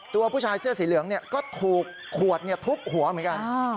ตัวผู้ชายเสื้อสีเหลืองก็ถูกขวดทุบหัวเหมือนกัน